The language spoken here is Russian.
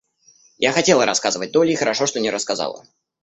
Я хотела рассказывать Долли и хорошо, что не рассказала.